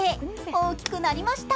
大きくなりました。